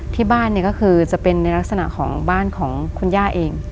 ที่บ้านเนี่ยก็คือจะเป็นในลักษณะของบ้านของคุณย่าเอง